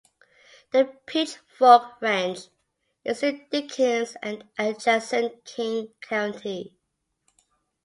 The Pitchfork Ranch is in Dickens and adjacent King County.